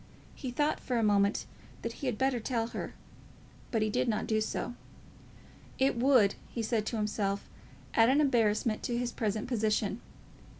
He thought for a moment that he had better tell her, but he did not do so. It would, he said to himself, add an embarrassment to his present position.